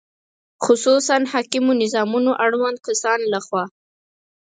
خصوصاً حاکمو نظامونو اړوندو کسانو له خوا